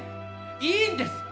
いいんです。